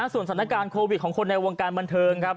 ส่วนสถานการณ์โควิดของคนในวงการบันเทิงครับ